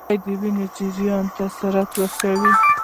خټکی د وینې جریان ته سرعت ورکوي.